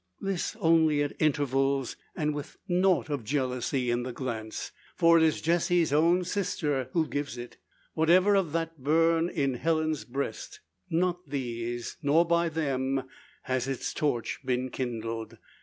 This only at intervals, and with nought of jealousy in the glance. For it is Jessie's own sister who gives it. Whatever of that burn in Helen's breast, not these, nor by them, has its torch been kindled.